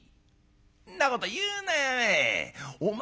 「んなこと言うなよお前。